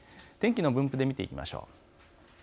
天気の分布で見ていきましょう。